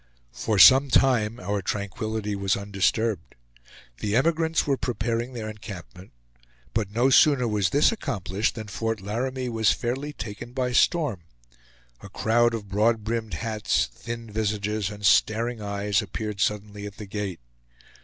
For some time our tranquillity was undisturbed. The emigrants were preparing their encampment; but no sooner was this accomplished than Fort Laramie was fairly taken by storm. A crowd of broad brimmed hats, thin visages, and staring eyes appeared suddenly at the gate.